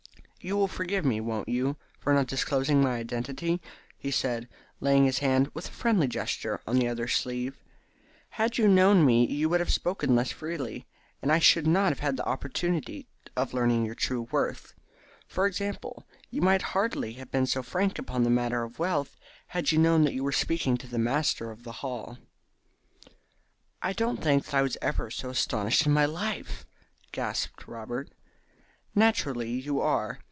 "You will forgive me, won't you, for not disclosing my identity?" he said, laying his hand with a friendly gesture upon the other's sleeve. "Had you known me you would have spoken less freely, and I should not have had the opportunity of learning your true worth. For example, you might hardly have been so frank upon the matter of wealth had you known that you were speaking to the master of the Hall." "I don't think that I was ever so astonished in my life," gasped Robert. "Naturally you are.